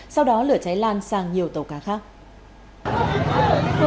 sau đó lửa cháy lan sang nhiều tàu cá khác